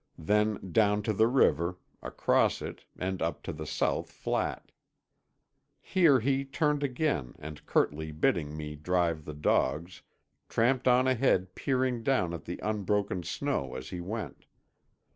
Then down to the river, across it and up to the south flat. Here he turned again and curtly bidding me drive the dogs, tramped on ahead peering down at the unbroken snow as he went.